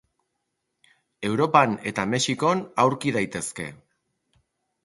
Europan eta Mexikon aurki daitezke.